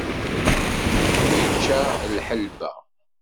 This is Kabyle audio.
Ičča lḥelba.